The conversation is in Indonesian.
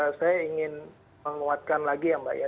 ya saya ingin menguatkan lagi ya mbak ya